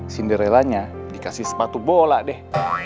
cinderella nya dikasih sepatu bola deh